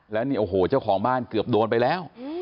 แล้วนี่โอ้โหเจ้าของบ้านเกือบโดนไปแล้ว